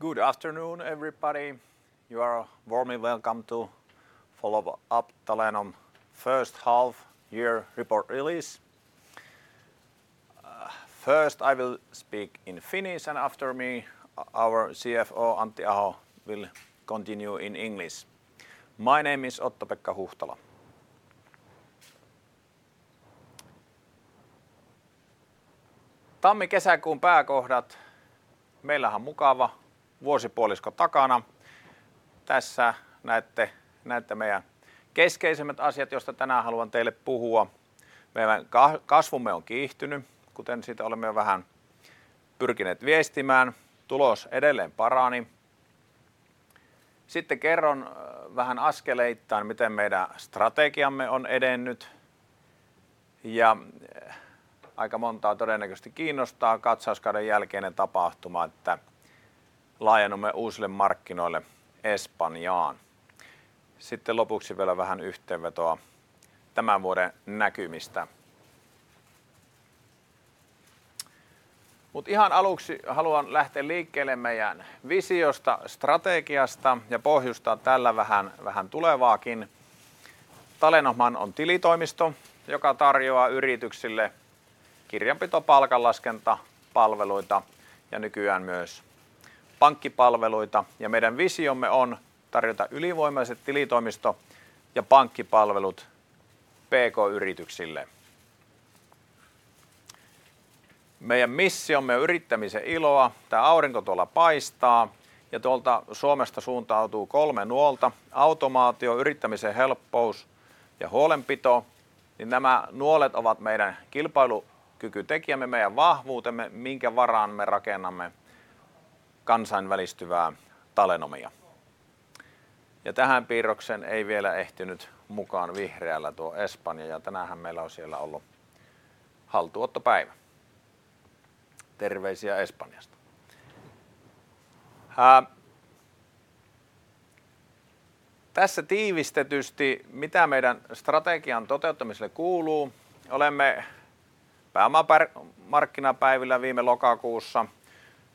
Good afternoon, everybody. You are a warm welcome to follow-up Telenom first half year report release. First, I will speak in Finnish. And after me, our CFO, Antti Auj, will continue in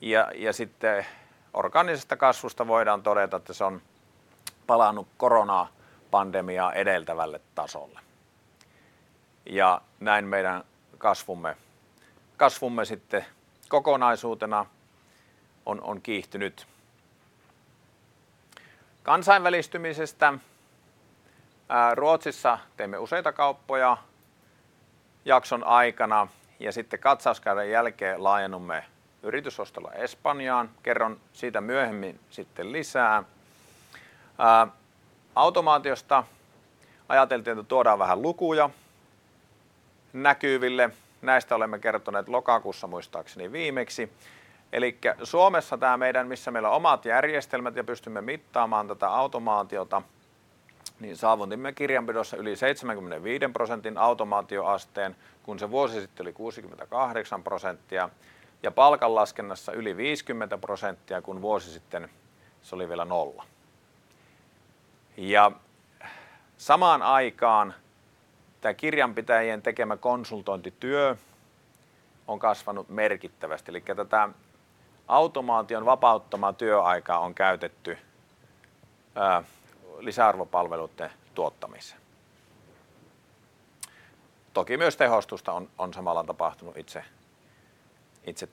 English. My name is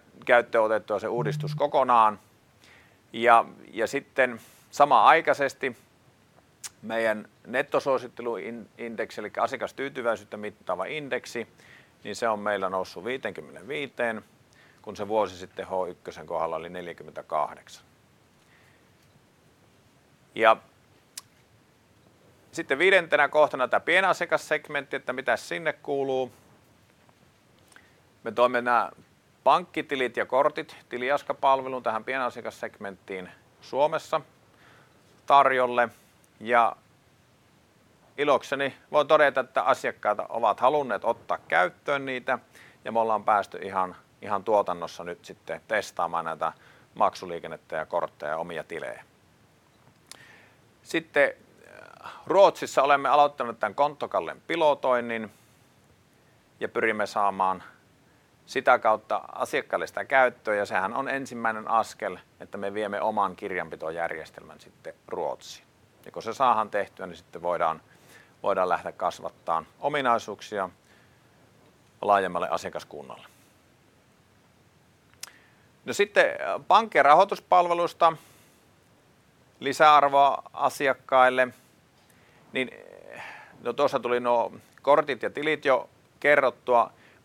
Ottopekka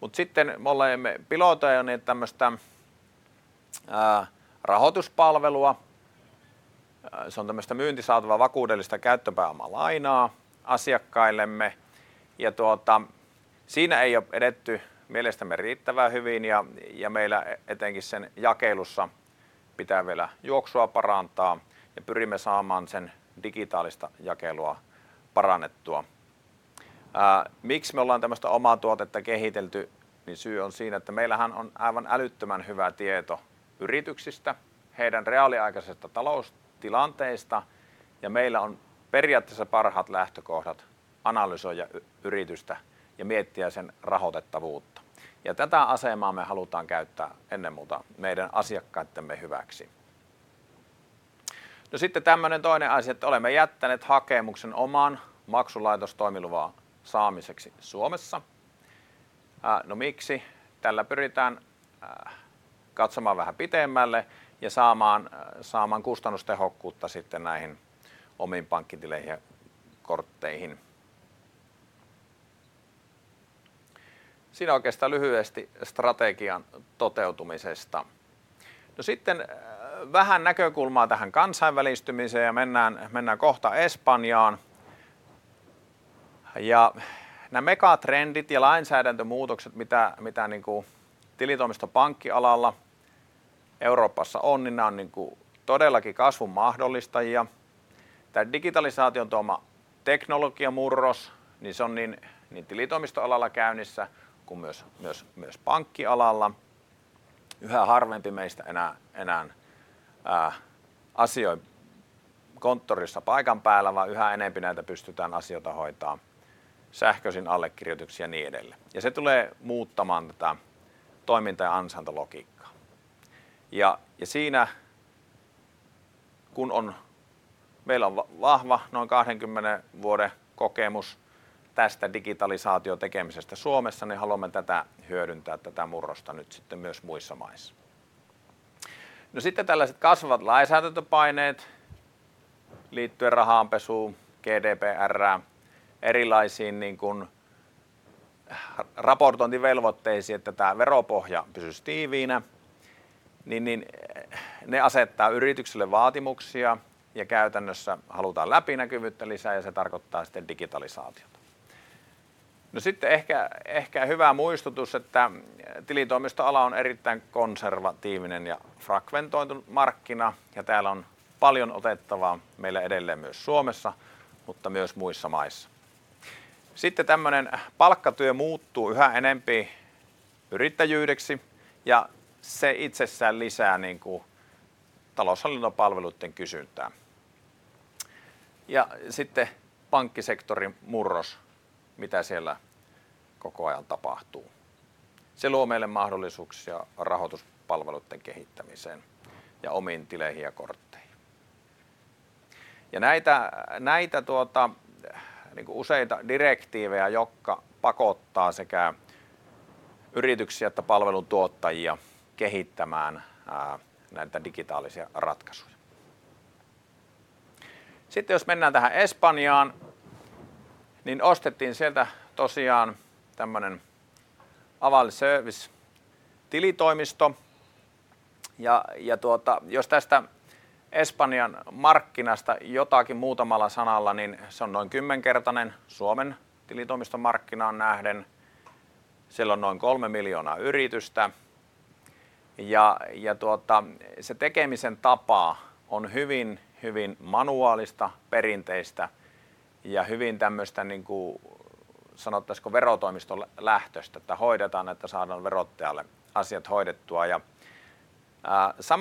Hooftalain. Max Panke sector in Murros. Tembanen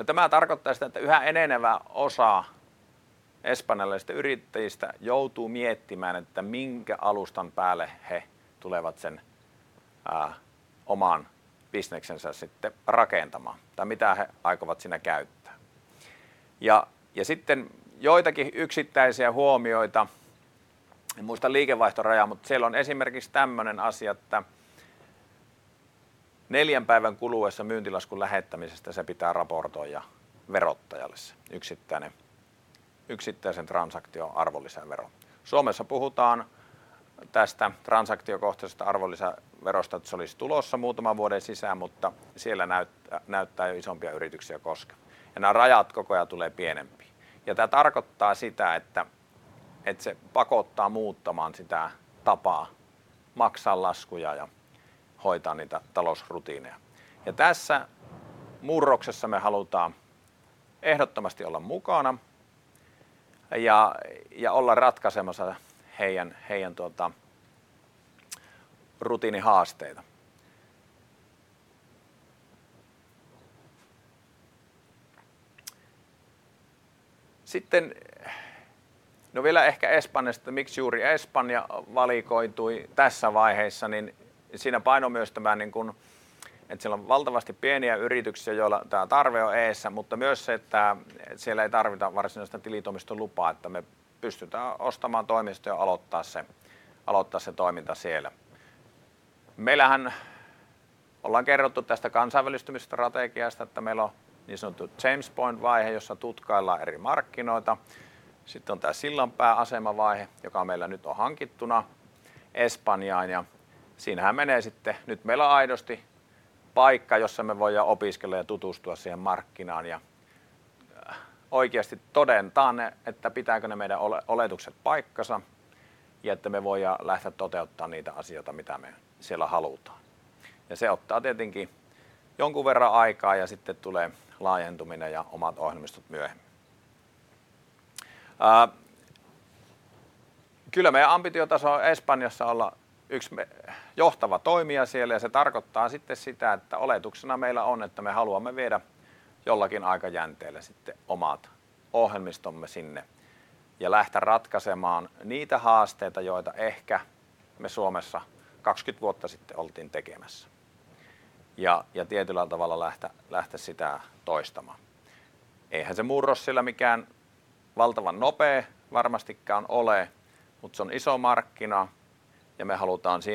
Oman Business Heian,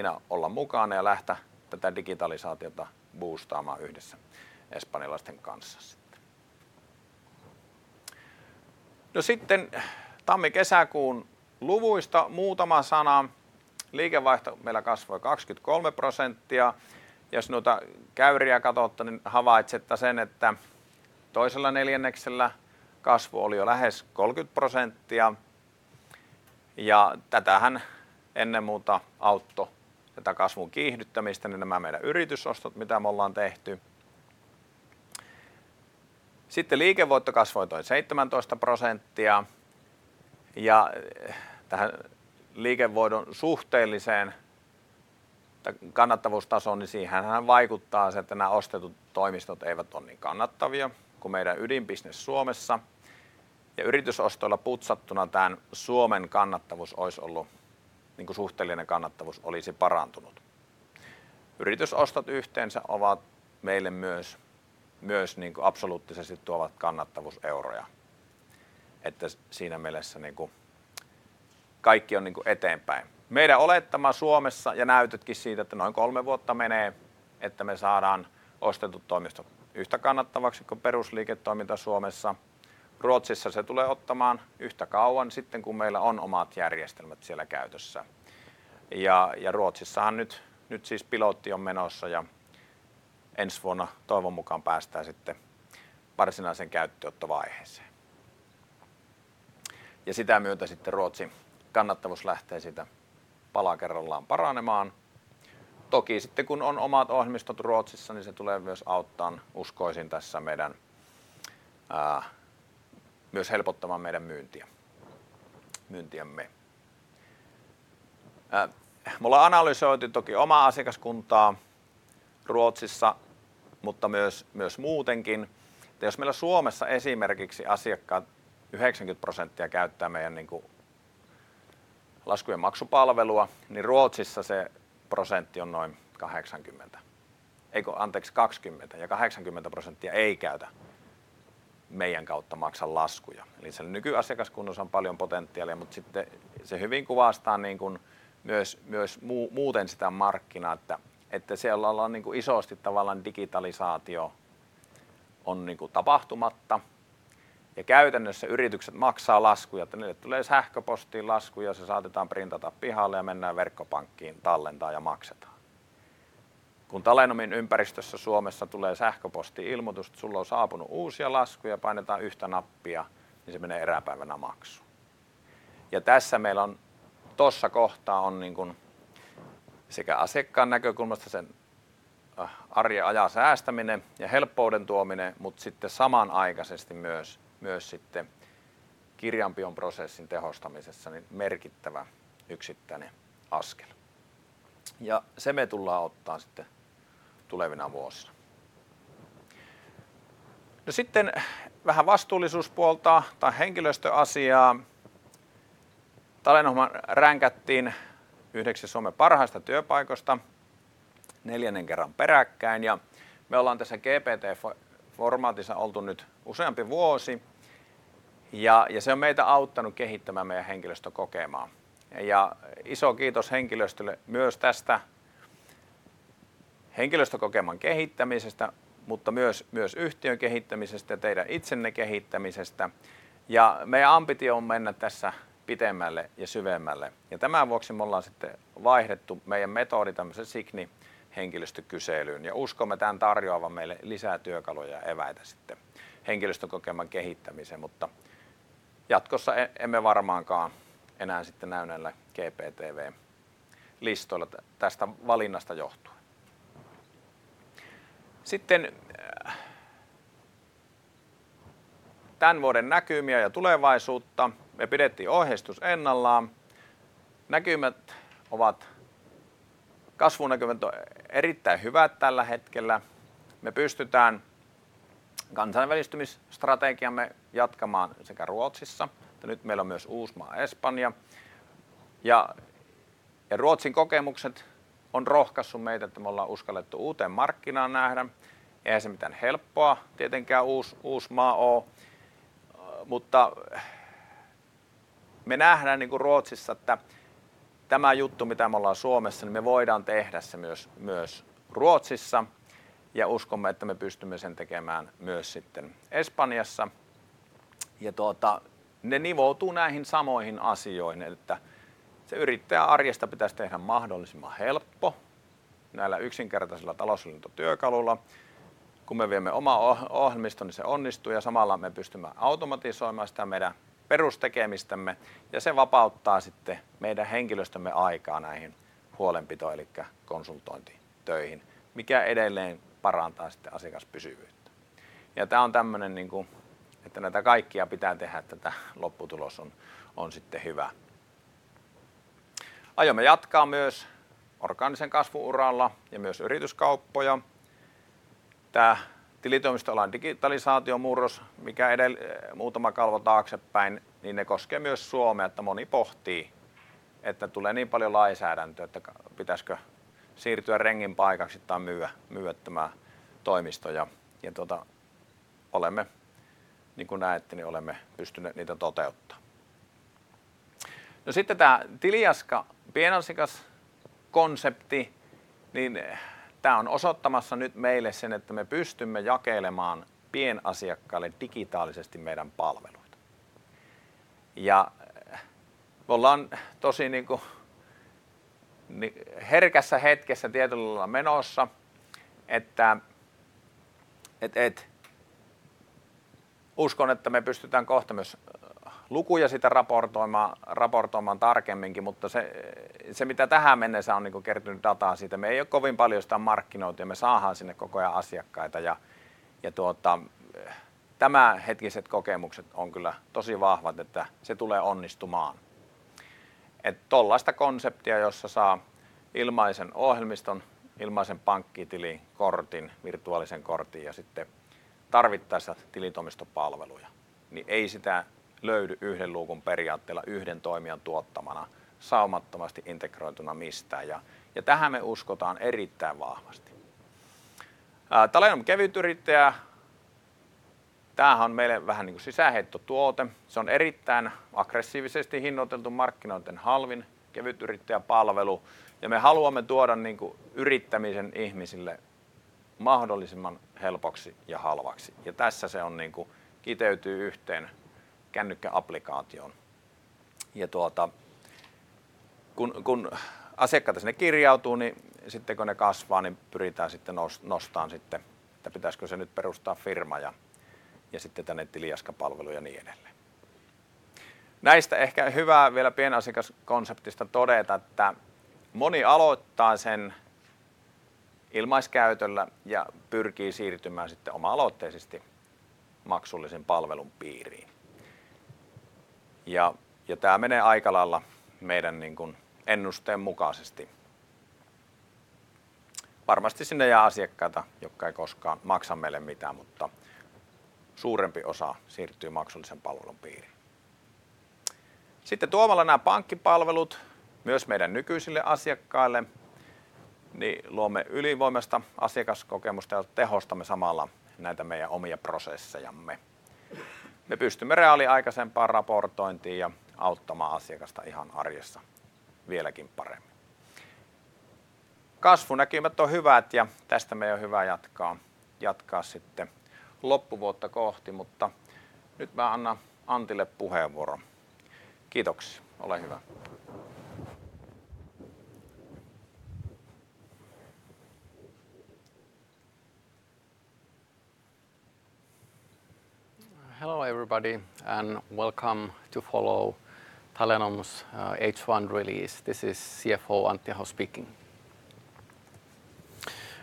Heian, to Ottam. LION, Dominae, Hello, everybody, and welcome to follow Telenom's H1 release. This is CFO, Antti Hau, speaking.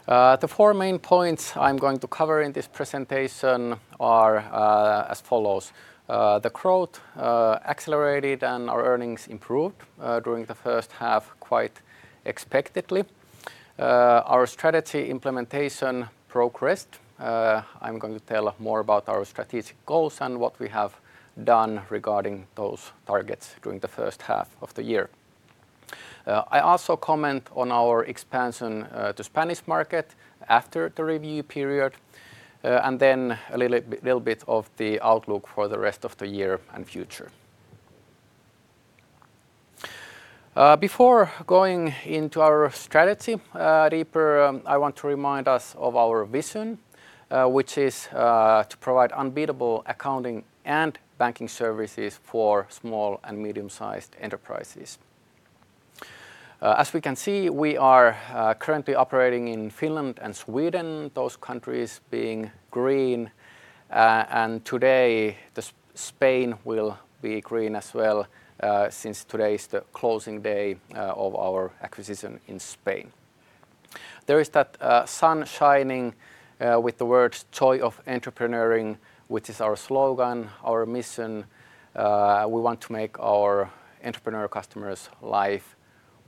The 4 main points I'm going to cover in this presentation are as follows. The growth accelerated and our earnings improved during the first half quite expectedly. Our strategy implementation progressed. I'm going to tell more about our strategic goals and what we have Dan regarding those targets during the first half of the year. I also comment on our expansion to Spanish market after the review period and then a little bit of the outlook for the rest of the year and future. Before going into our strategy, Reaper, I want to remind us of our vision, which is to provide unbeatable accounting and banking services for small and medium sized enterprises. As we can see, we are currently operating in Finland and Sweden, those countries being green. And today, the Spain. We will be green as well since today is the closing day of our acquisition in Spain. There is that sun shining with the words Joy of Entrepreneuring, which is our slogan, our mission. We want to make our entrepreneurial customers' life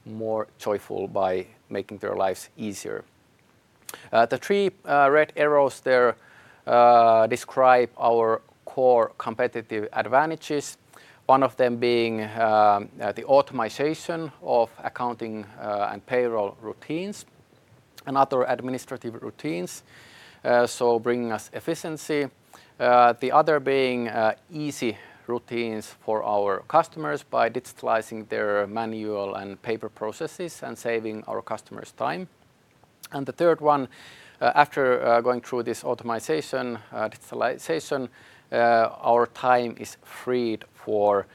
more joyful by making their lives easier. The 3 red arrows there describe our core competitive advantages, one of them being the automation of accounting and payroll routines and other administrative routines, So bringing us efficiency. The other being easy routines for our customers by digitalizing their manual paper processes and saving our customers' time. And the third one, after going through this automization, digitalization, our time is freed for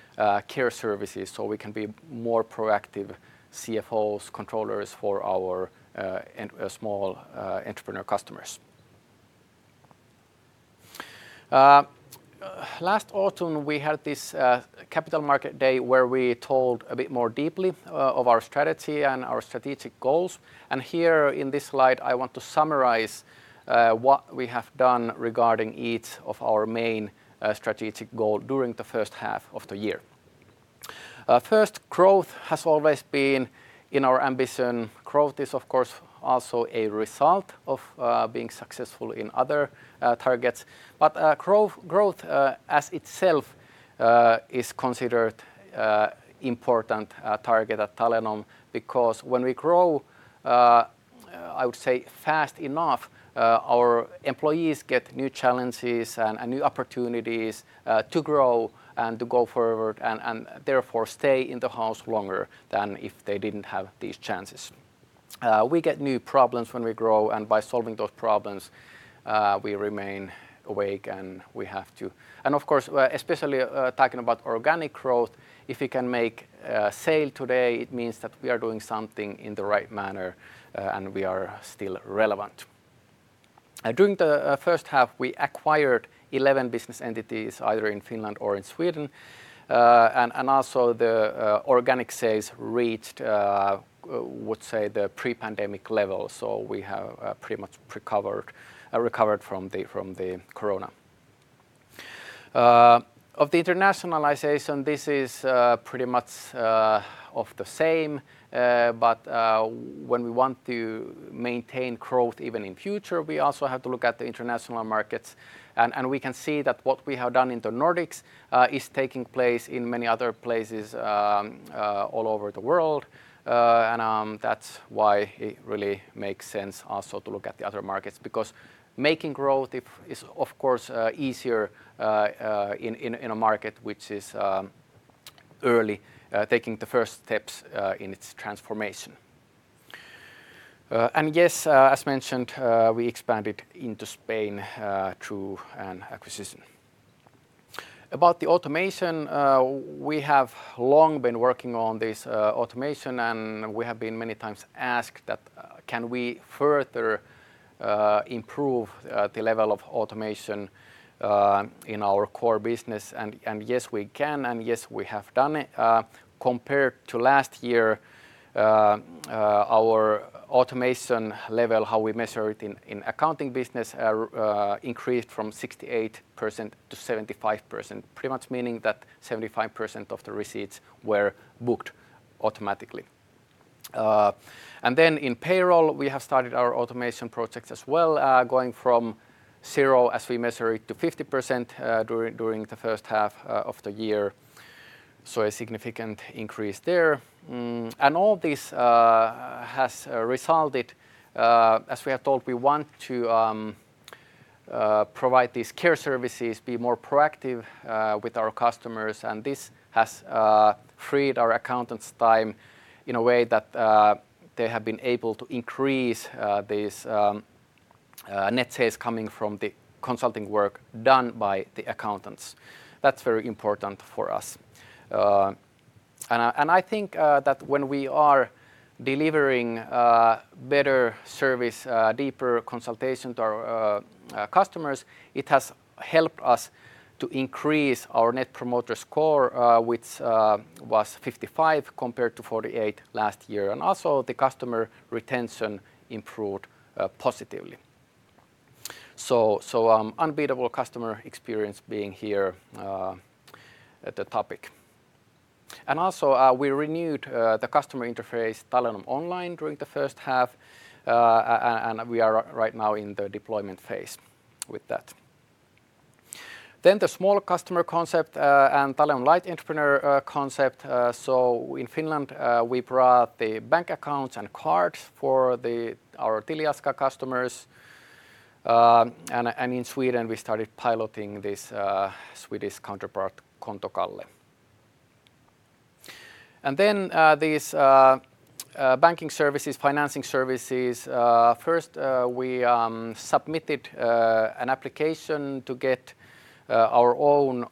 care services. So we can be more proactive CFOs, controllers for our small entrepreneur customers. Last autumn, we had this Capital Market Day where we told a bit more deeply of our strategy and our strategic goals. And here in this slide, I want to summarize what we have done regarding each of our main strategic goal during the first half of the year. 1st, growth has always been in our ambition. Growth is, of course, also a result of being successful in other targets. But growth as itself is considered an important target at Telenom Because when we grow, I would say, fast enough, our employees get new challenges and new opportunities to grow and to go forward and therefore stay in the house longer than if they didn't have these chances. We get new problems when we grow. And by solving those problems, we remain awake and we have to. And of course, especially talking about organic growth, if we can make a sale today, it means that we are doing something in the right manner And we are still relevant. During the first half, we acquired 11 business entities either in Finland or in Sweden. And also the organic sales reached, I would say, the pre pandemic level. So we have pretty much recover from the corona. Of the internationalization, this is pretty much of the same. But when we want to maintain growth even in future, we also have to look at the international markets. And we can see that what we have done in the Nordics It's taking place in many other places all over the world. And that's why it really makes also to look at the other markets because making growth is, of course, easier in a market which is early taking the first steps in its transformation. And yes, as mentioned, we expanded into Spain True and Acquisition. About the automation, we have long been working on this automation. And we have many times ask that can we further improve the level of automation in our core business? And Yes, we can and yes, we have done it. Compared to last year, our automation level how we measure it in accounting business increased from 68% to 75%, pretty much meaning that 75% of the receipts were booked automatically. And then in payroll, we started our automation project as well, going from 0 as we measure it to 50% during the first half of the year. So a significant increase there. And all this has resulted, as we have told, we want to provide these care services, be more proactive with our customers. And this has freed our accountants' time In a way that they have been able to increase this net sales coming from the consulting work done by the accountants. That's very important for us. And I think that when we are delivering better service deeper consultation to our customers. It has helped us to increase our Net Promoter Score, which was 55% compared to 48% last year. And also the customer retention improved positively. So unbeatable customer experience being here at the topic. And also we renewed the customer interface, Tallinn Online, during the first half. And we are right now in the deployment phase with that. Then the small customer concept and Talion Light Entrepreneur concept. So in Finland, we brought the bank accounts and cards for the our Teliaska customers. And in Sweden, we started piloting this Swedish counterpart, Contokale. And then these banking services, financing services, first, we submitted an application to get our own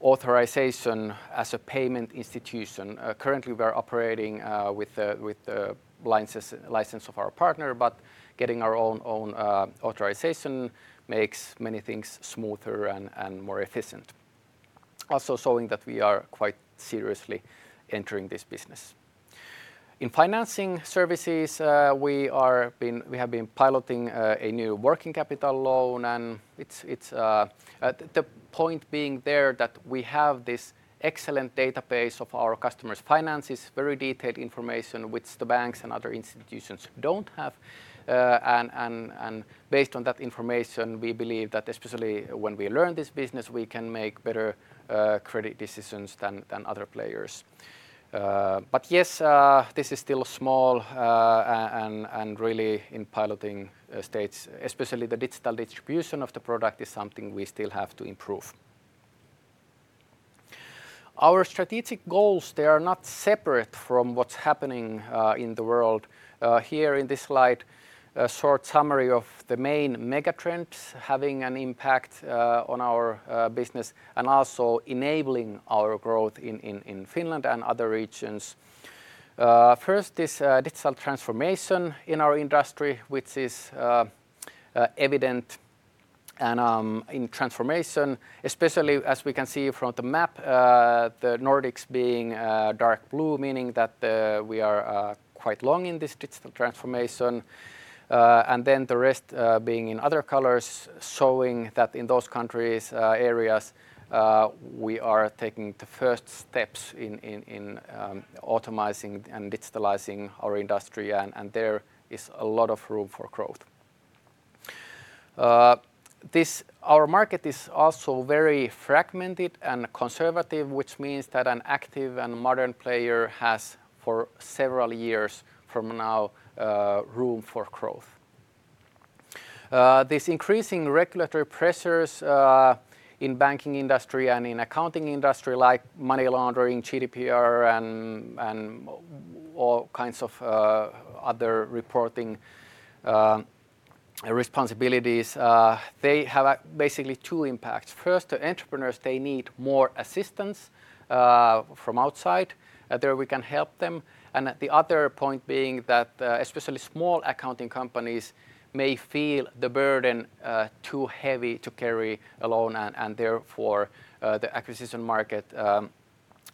authorization as a payment institution. Currently, we are operating with the license of our partner. But getting our own authorization makes many things smoother and more efficient, also showing that we are quite seriously entering this business. In financing services, we are we have been piloting a new working capital loan. And it's the point being there that we have this excellent database of our customers' finances, very detailed information which the banks and other institutions don't have. And based on that information, we believe that especially when we learn this business, we can make better credit decisions than other players. But yes, this is still small and really in piloting states, especially the digital distribution of the product we still have to improve. Our strategic goals, they are not separate from what's happening in the world. Here in this slide. A short summary of the main megatrends having an impact on our business And also enabling our growth in Finland and other regions. First is digital transformation in our industry, which is Evident and in transformation, especially as we can see from the map, the Nordics being dark blue, meaning that we are quite long in this digital transformation. And then the rest being in other colors, showing that in those countries areas, we are taking the first steps in automizing and digitalizing our industry and there is a lot of room for growth. This Our market is also very fragmented and conservative, which means that an active and modern player has for several years from now room for growth. This increasing regulatory pressures in banking industry and in accounting industry like money laundering, GDPR and all kinds of other reporting responsibilities. They have basically 2 impacts. First, the entrepreneurs, they need more assistance from outside there. We can help them. And the other point being that especially small accounting companies may feel the burden too heavy to carry alone. And therefore, the acquisition market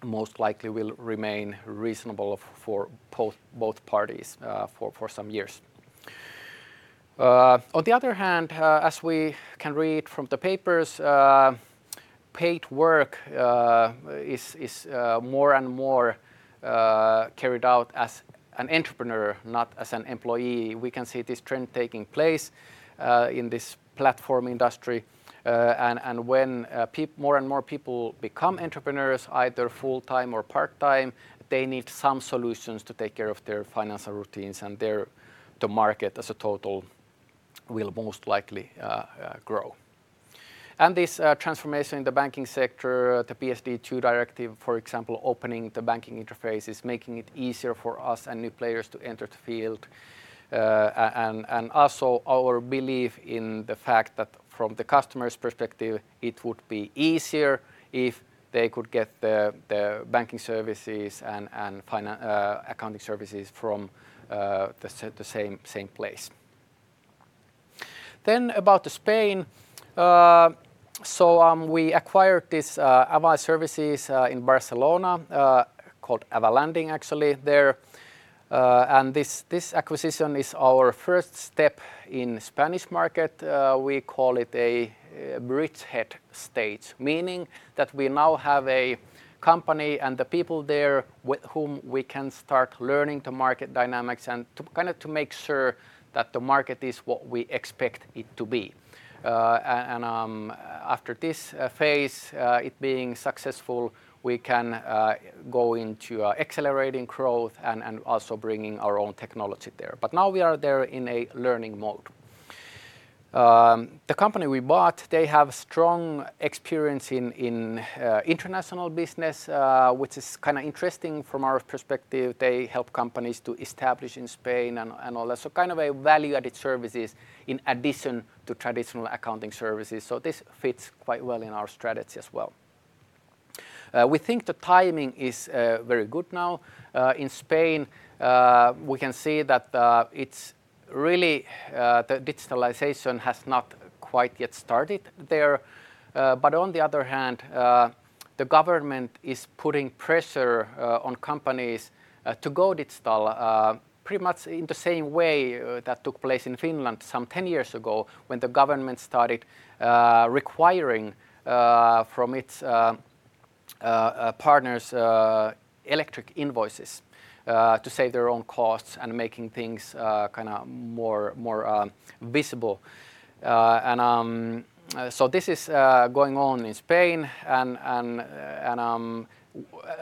most likely will remain reasonable for both parties for some years. On the other hand, as we can read from the papers, paid work is more and more carried out as an entrepreneur, not as an employee. We can see this trend taking place in this platform industry. And when more and more people become entrepreneurs, either full time or part time. They need some solutions to take care of their financial routines. And there, the market as a total We'll most likely grow. And this transformation in the banking sector, For example, opening the banking interface is making it easier for us and new players to enter the field. And also our belief in the fact that from the customers' perspective. It would be easier if they could get the banking services and accounting services from the same place. Then about the Spain. So we acquired this Avai Services in Barcelona, called Aval Landing actually there. And this acquisition is our first STEP in Spanish market. We call it a bridgehead stage, meaning that we now have a company and the people there with whom we can start learning the market dynamics and kind of to make sure that the market is what we expect it to be. And after this phase, it being successful, we can go into accelerating growth And also bringing our own technology there. But now we are there in a learning mode. The company we bought, they have strong experience in international business, which is kind of interesting from our perspective. They help companies to establish in Spain and all that. Kind of value added services in addition to traditional accounting services. So this fits quite well in our strategy as well. We think the timing is very good now. In Spain, we can see that it's really the digitalization has not quite yet started there. But on the other hand, The government is putting pressure on companies to go digital pretty much in the same way that took place in Finland some 10 years ago when the government started requiring from its partners electric invoices to save their own costs and making things kind of more visible. And So this is going on in Spain. And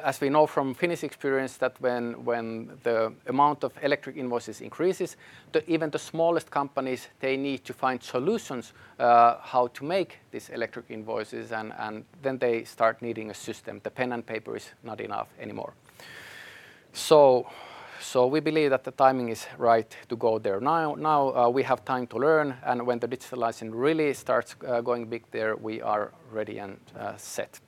as we know from Finnish experience that when the amount of electric invoices crisis. Even the smallest companies, they need to find solutions how to make these electric invoices and then they start needing a system. The pen and paper is not enough anymore. So we believe that the timing is right to go there now. We have time to learn. And when the digital license really starts going big there. We are ready and set.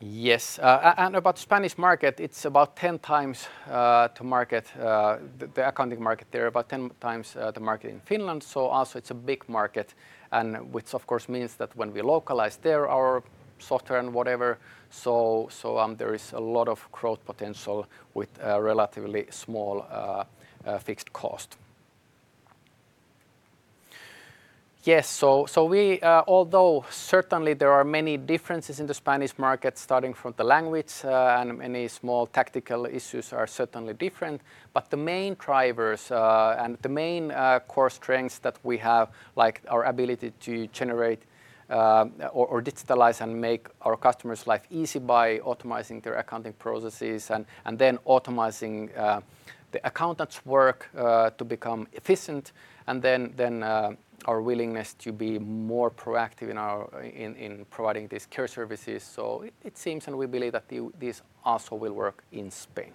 Yes. And about Spanish market, it's about 10 times to market. The accounting market there are about 10 times the market in Finland. So also it's a big market and which of course means that when we localize there our softer and whatever. So there is a lot of growth potential with relatively small fixed cost. Yes. So we although certainly there are many differences in the Spanish market starting from the language and any small tactical issues are certainly different. But the main drivers and the main core strengths that we have like our ability to generate or digitalize and make our customers' life easy by automizing their accounting processes and then automizing the accountants work to become efficient and then our willingness to be more proactive in our in providing these care services. It seems and we believe that this also will work in Spain.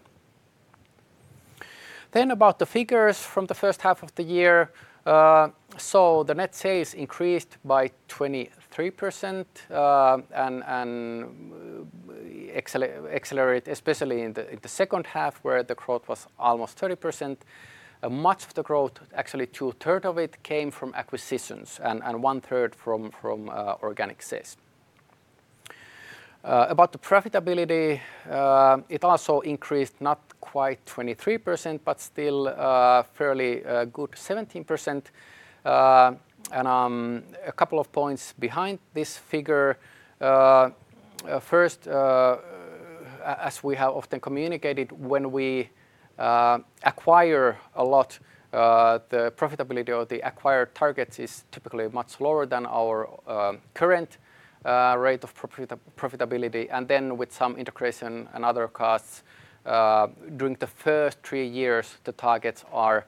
Then about the figures from the first half of the year. So the net sales increased by 23% and accelerate, especially in the second half where the growth was almost 30%. Much of the growth, actually twothree of it Came from acquisitions and 1 third from organic sales. About the profitability, it also increased not quite 23%, but still fairly good 17%. And a couple of points behind this figure. First, as we have often communicated, when we acquire a lot, The profitability of the acquired targets is typically much lower than our current rate of profitability. And then with some integration and other costs, during the 1st 3 years, the targets are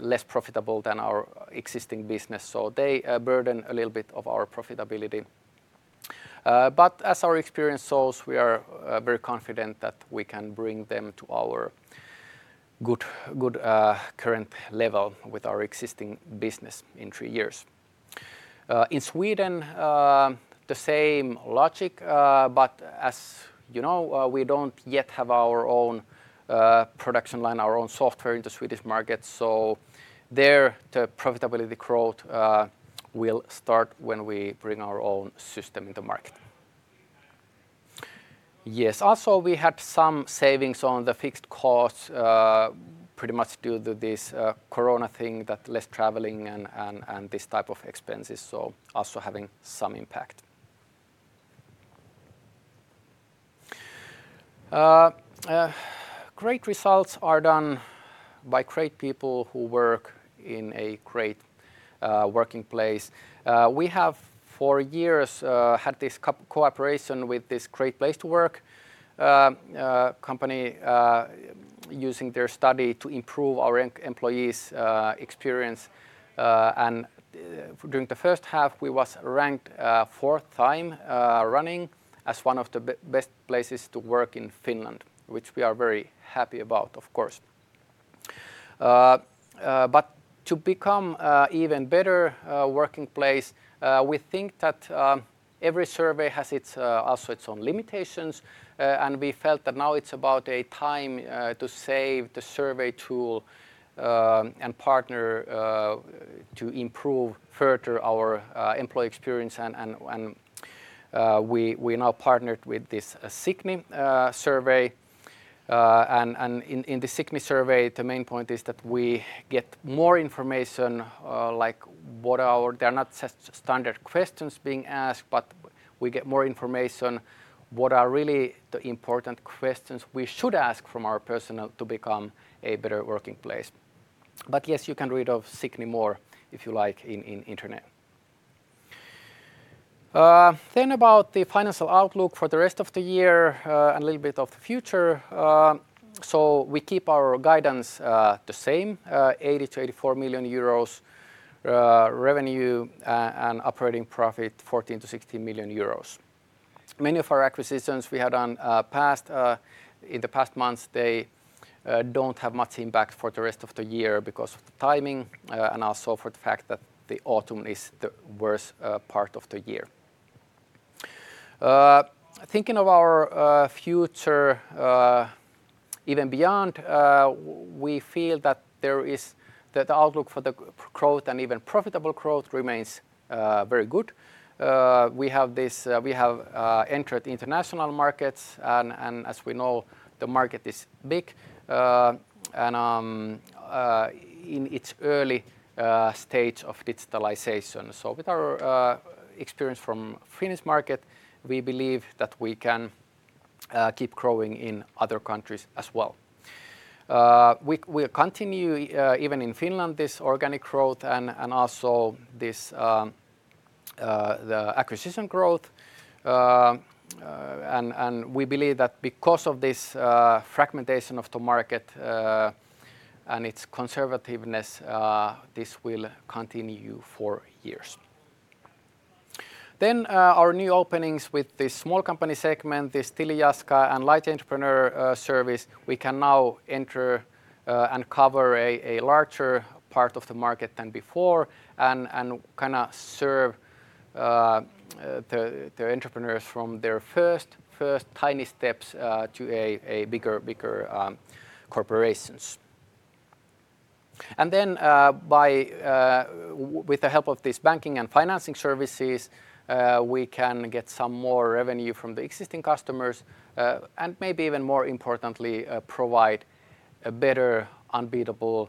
less profitable than our existing business. So they burden a little bit of our profitability. But as our experienced souls, we are Very confident that we can bring them to our good current level with our existing business in 3 years. In Sweden, the same logic. But as you know, we don't yet have our own production line, our own software in the Swedish market. So there the profitability growth will start when we bring our own System in the market. Yes. Also, we had some savings on the fixed costs pretty much due to this corona thing that less traveling and this type of expenses, so also having some impact. Great results are done by great people who work in a great working place. We have for years had this cooperation with this great place to work company using their study to improve our employees' experience. And during the first half, we were ranked 4th time running as one of the best places to work in Finland, which we are very happy about, of course. But To become even better working place, we think that every survey has its also its own limitations. And we felt that now it's about a time to save the survey tool and partner to improve further our employee experience. And we're now partnered with this Sydney survey. And in the Sydney survey, the main point is that we get more information like what are they are not standard questions being asked, but we get more information what are really the important questions we should ask from our personnel to become a better working place. But yes, you can read of Sydney more, if you like, in Internet. Then about the financial outlook for the rest of the year and a little bit of the future. So we keep our guidance the same, €80,000,000 to €84,000,000 revenue an operating profit, €14,000,000 to €16,000,000 Many of our acquisitions we had done in the past months, they don't have much impact for the rest of the year because of the timing and also for the fact that the autumn is the worst part of the year. Thinking of our future even beyond, we feel that there is The outlook for the growth and even profitable growth remains very good. We have this we have entered international markets. And as we know, the market is big and in its early stage of digitalization. So with our experience from the Finnish market, we believe that we can keep growing in other countries as well. We continue even in Finland this organic growth and also this the acquisition growth. And we believe that because of this fragmentation of the market And it's conservativeness. This will continue for years. Then our new openings with the small company segment, the Stiljaskar and Light Entrepreneur Service, we can now enter and cover a larger part of the market than before and kind of serve the entrepreneurs from their first, first tiny steps to a bigger corporations. And then by With the help of these banking and financing services, we can get some more revenue from the existing customers And maybe even more importantly, provide a better unbeatable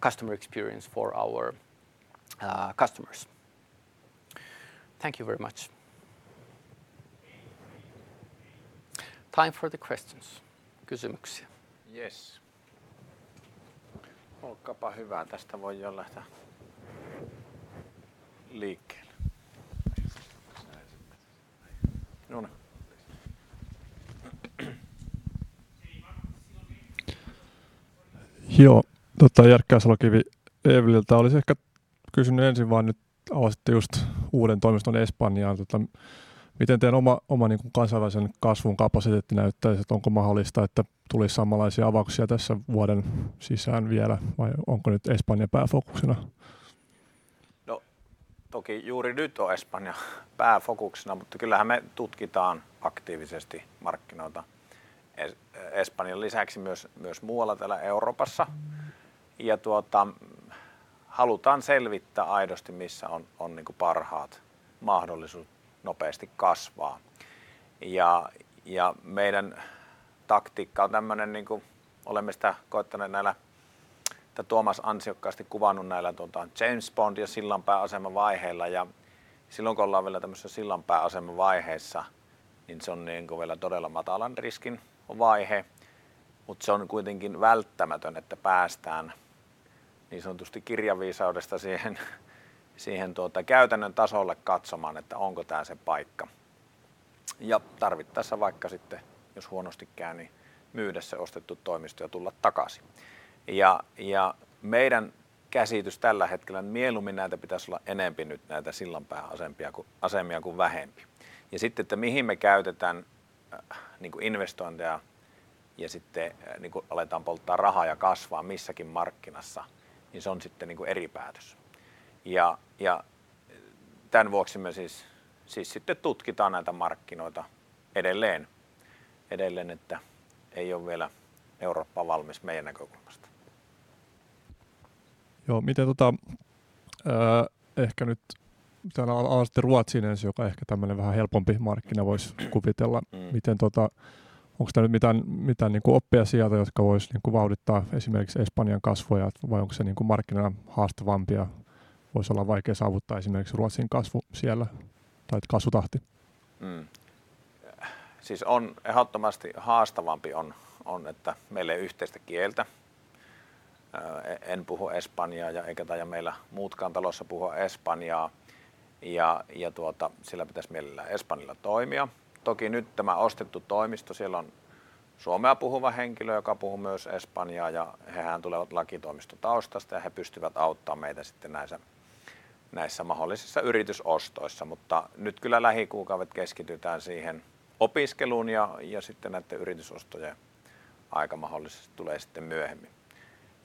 customer experience for our customers. Thank you very much. Time for the questions. Guzumuksja? Yes. Assi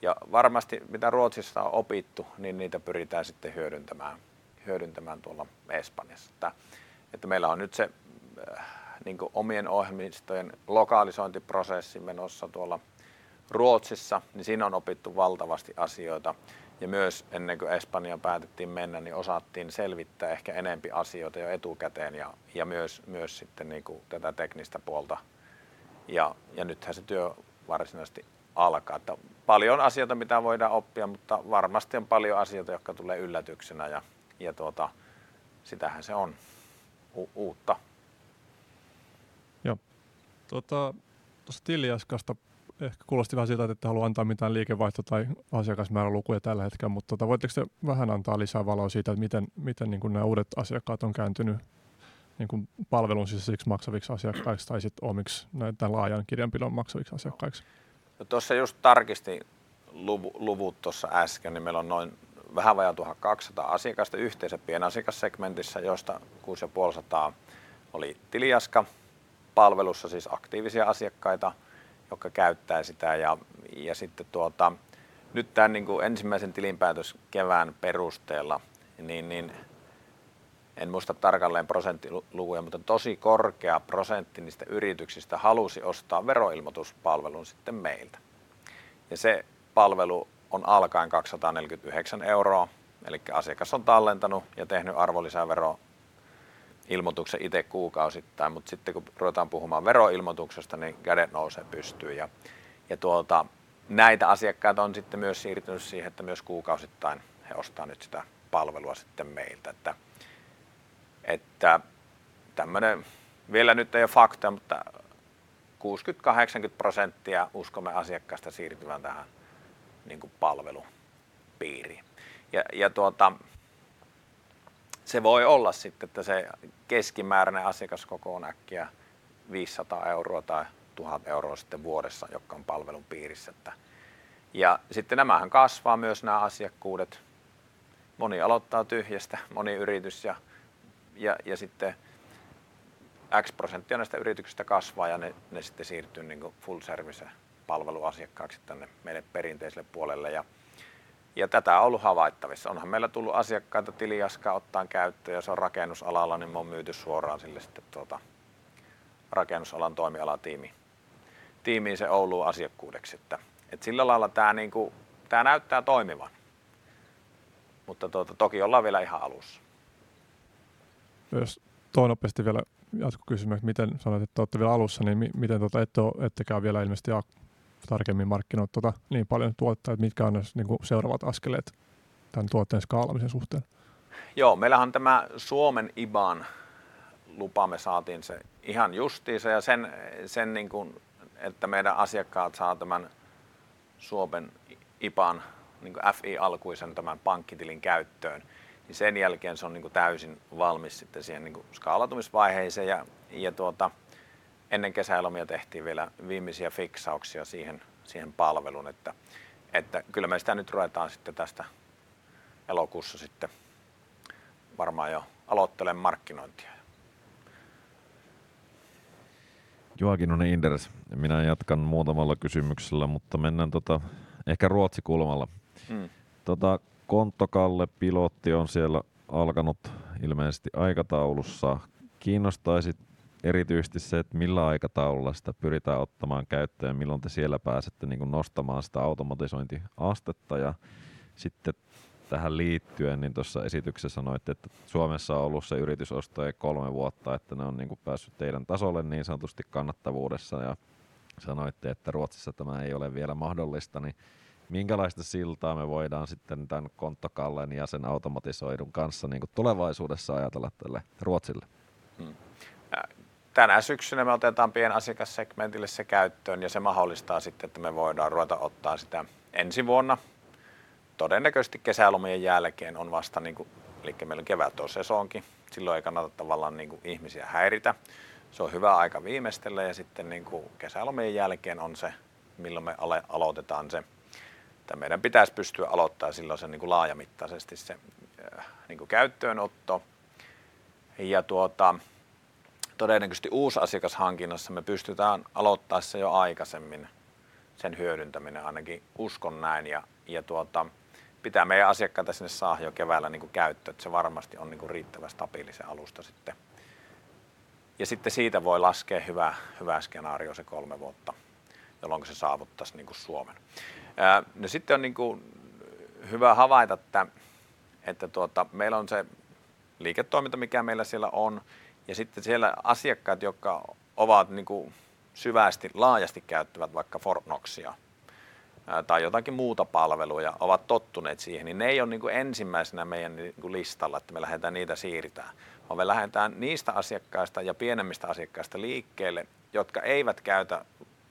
Nico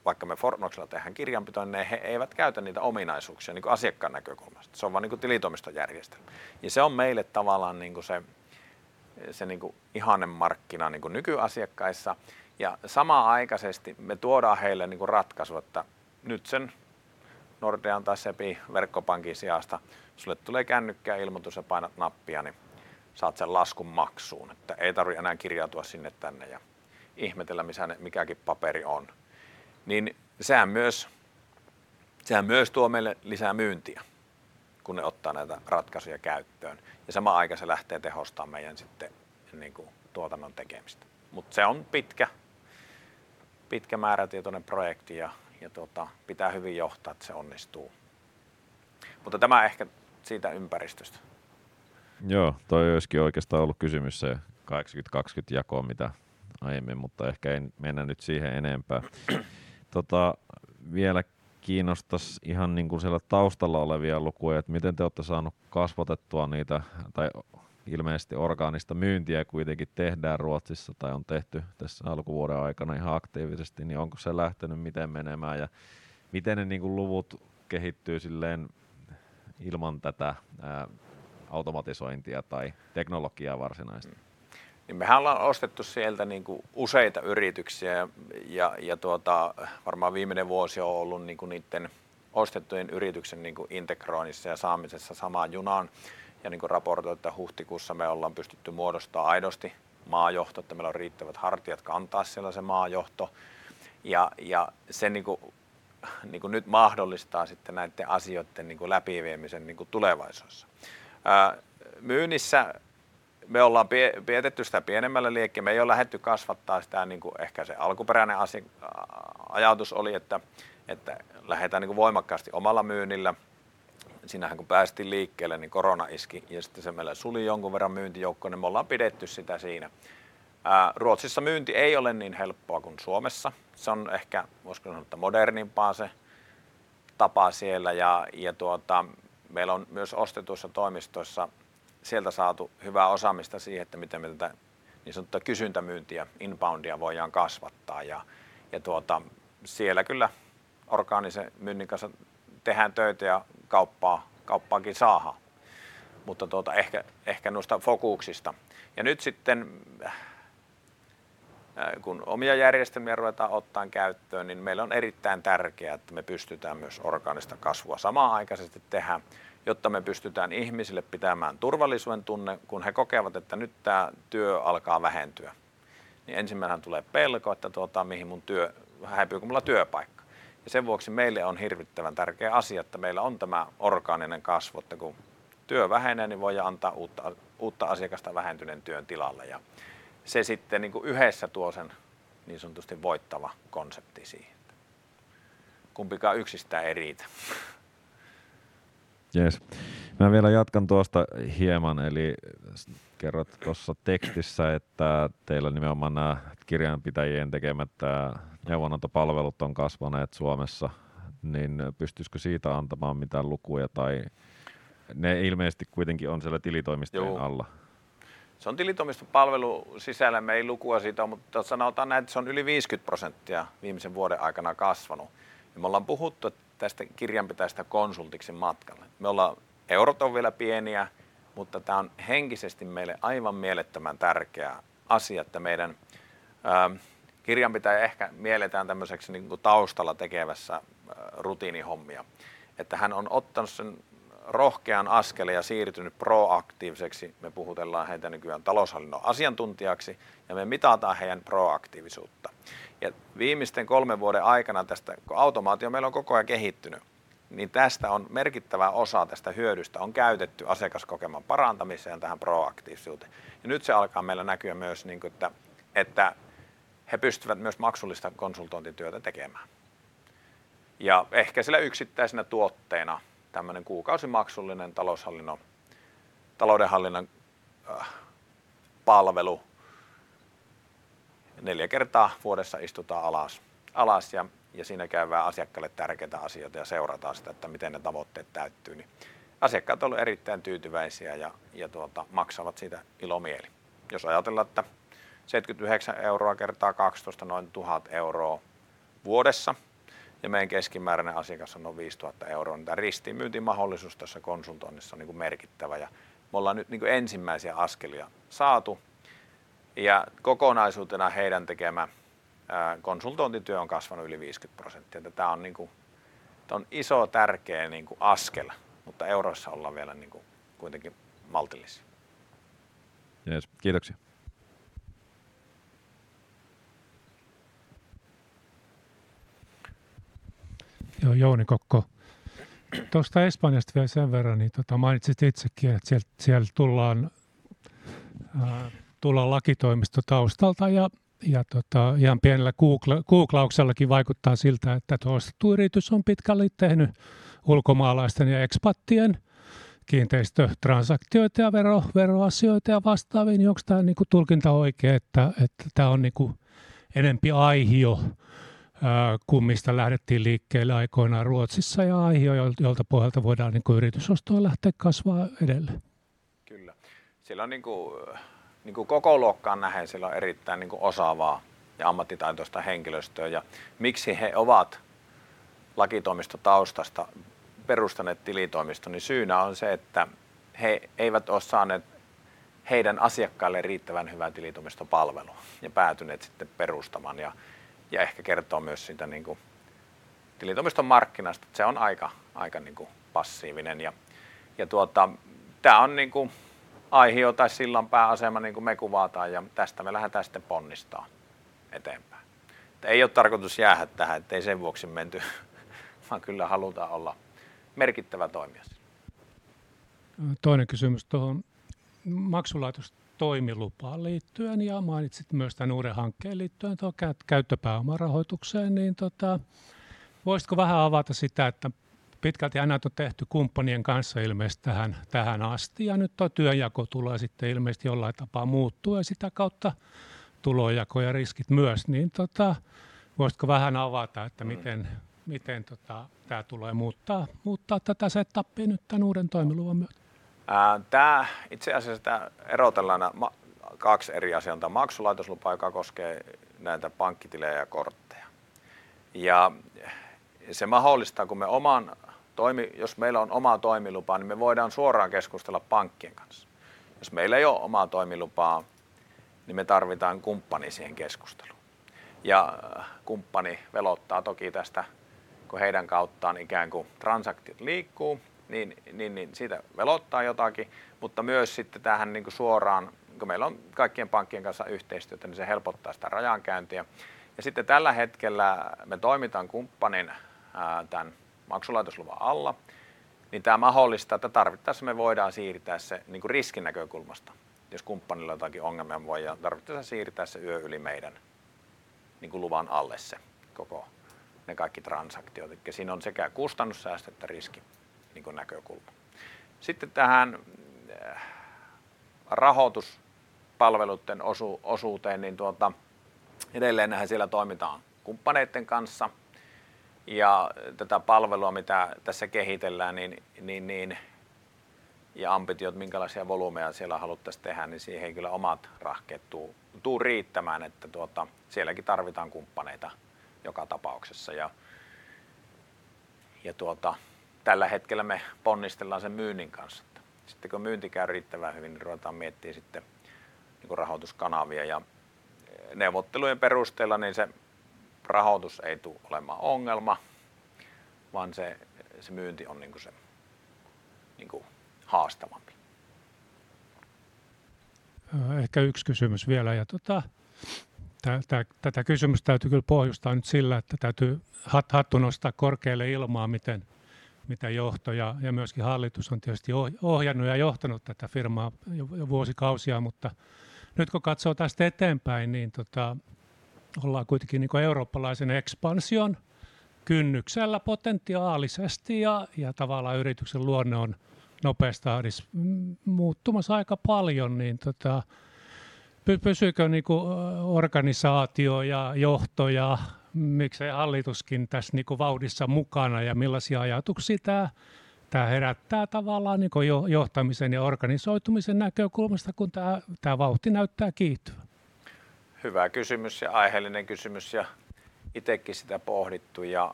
Voit.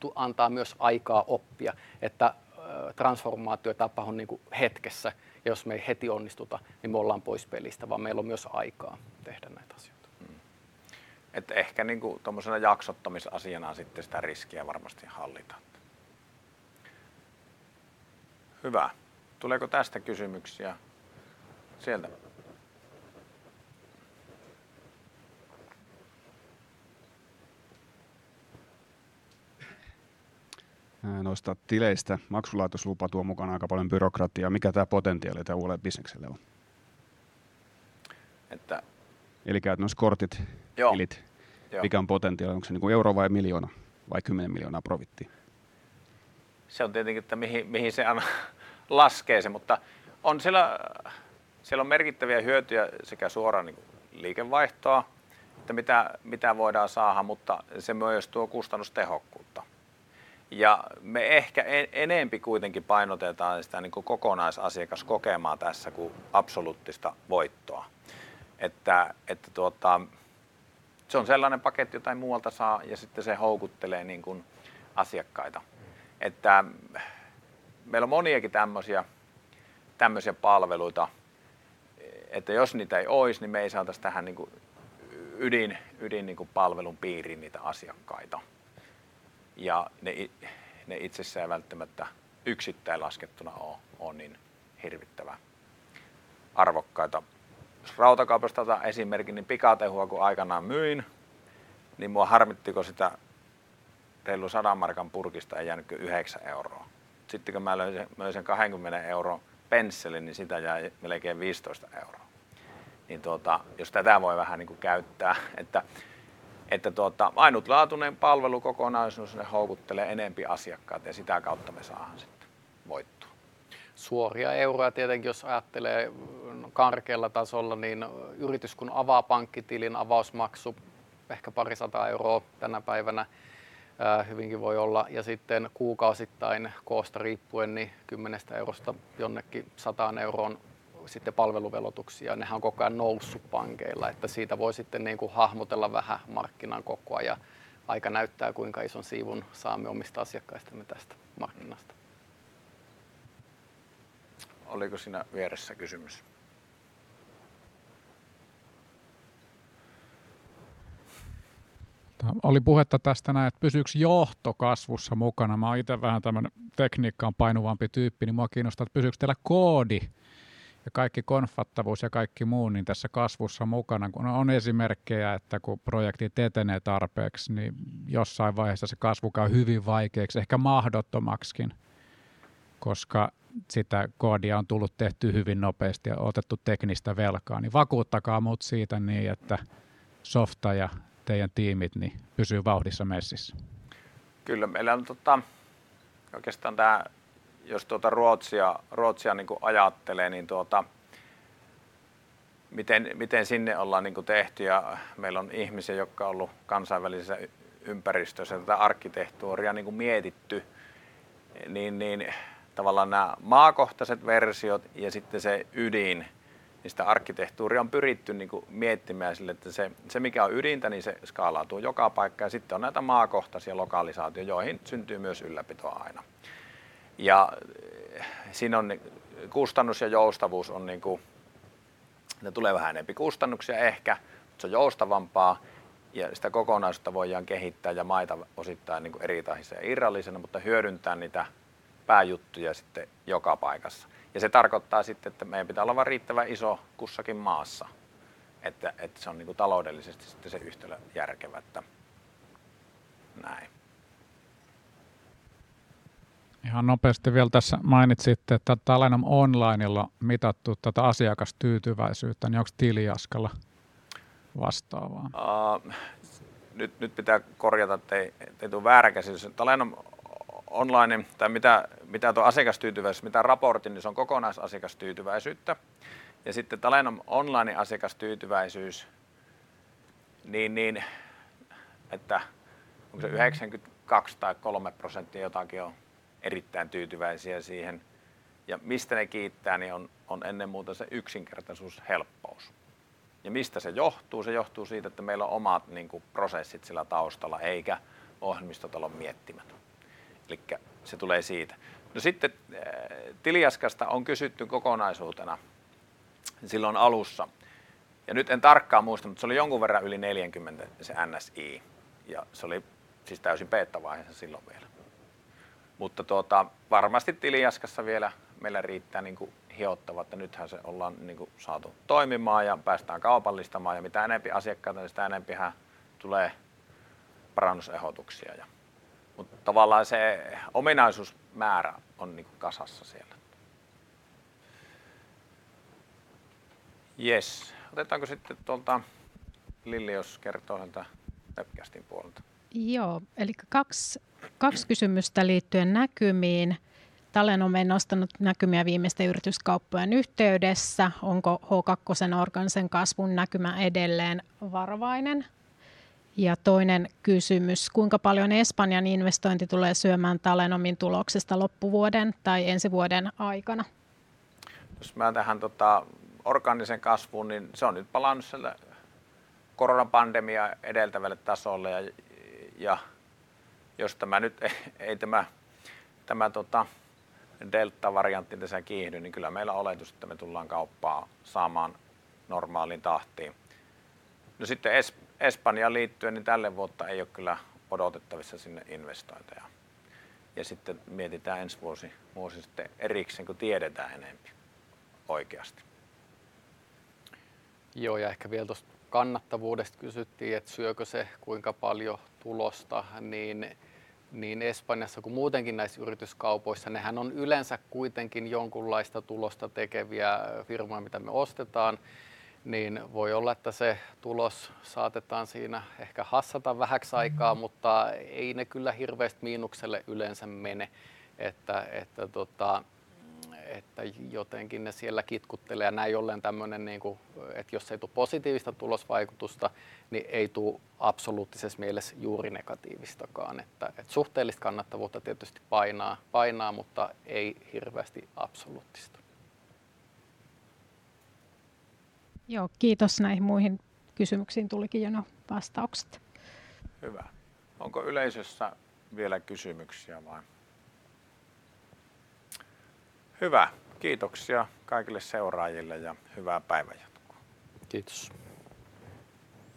Mr.